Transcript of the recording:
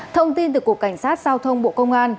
thông tin từ cục cảnh sát giao thông bộ công an